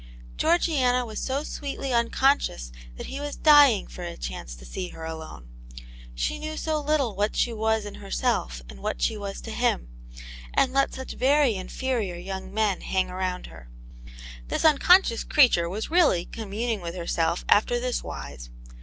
Georgiana was so sweetly unconscious that he was dying for a chance to see her alone ; she knew so little what she was in herself and what she was to him, and let such very inferior young men hang around her. This unconscious creature was really communing with herself after this wise.